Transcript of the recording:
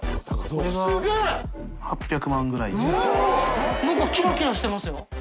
垢欧АΔ錣なんかキラキラしてますよ。